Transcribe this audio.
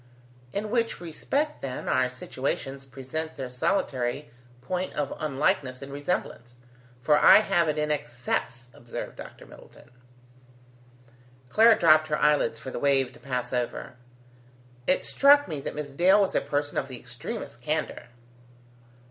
"In which respect, then, our situations present their solitary point of unlikeness in resemblance, for I have it in excess," observed Dr. Middleton. Clara dropped her eyelids for the wave to pass over. "It struck me that Miss Dale was a person of the extremest candour."